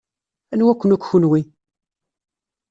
Anwa-ken akk kenwi?